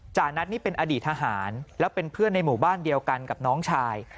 นัทนี่เป็นอดีตทหารแล้วเป็นเพื่อนในหมู่บ้านเดียวกันกับน้องชาย